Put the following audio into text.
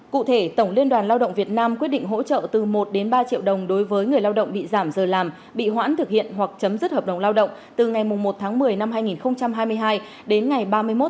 cụ thể tổng liên đoàn lao động việt nam quyết định hỗ trợ từ một ba triệu đồng đối với người lao động bị giảm giờ làm bị hoãn thực hiện hoặc chấm dứt hợp đồng lao động từ ngày một một mươi hai nghìn hai mươi hai đến ngày ba mươi một ba hai nghìn hai mươi ba